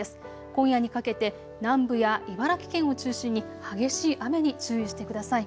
今夜にかけて南部や茨城県を中心に激しい雨に注意してください。